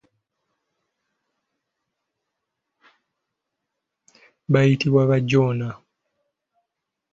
Bayitibwa bajoona.